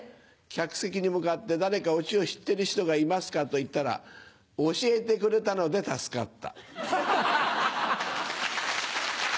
「客席に向かって『誰かオチを知ってる人がいますか？』と言ったら教えてくれたので助かった」。